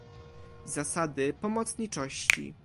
zasady pomocniczości